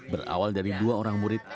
berawal dari dua orang murid